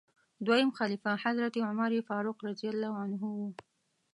دویم خلیفه حضرت عمر فاروق رض و.